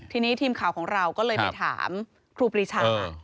ทีนี้ทีมข่าวของเราก็เลยไปถามครูปรีชา